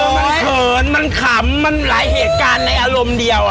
มันเขินมันขำมันหลายเหตุการณ์ในอารมณ์เดียว